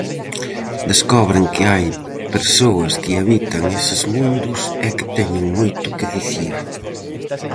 Descobren que hai persoas que habitan eses mundos e que teñen moito que dicir.